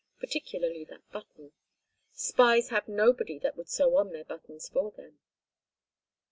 Particularly that button. Spies have nobody that would sew on their buttons for them.